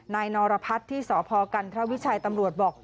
นายนรพัฒน์ที่สพกันทวิชัยตำรวจบอก